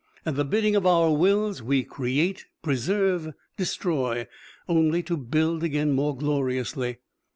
At the bidding of our wills we create, preserve, destroy only to build again more gloriously.